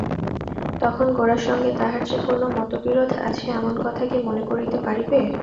তখন গোরার সঙ্গে তাহার যে কোনো মতবিরোধ আছে এমন কথা কে মনে করিতে পারিবে!